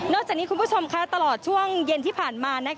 จากนี้คุณผู้ชมตลอดช่วงเย็นที่ผ่านมา